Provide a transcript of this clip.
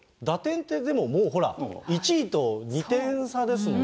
打点ってでも、もうほら、１位と２点差ですので。